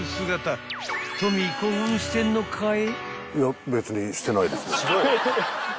［トミ興奮してんのかい？］